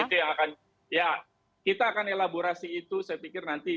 itu yang akan ya kita akan elaborasi itu saya pikir nanti